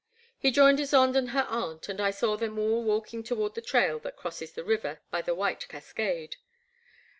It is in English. He joined Ysonde and her aunt, and I saw them all walking toward the trail that crosses the river by the White Cascade.